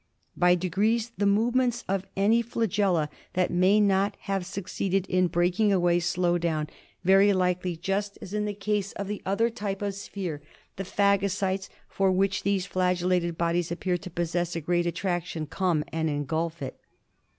By degrees the movements of any flagella that may not have (succeeded in breaking away slow down ; very likely, just as in the case of the other type of sphere, the phagocytes, for which these flagellated bodies appear to possess a great attraction, come and engulf it.